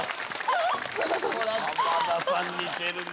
浜田さん似てるね。